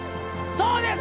そうです！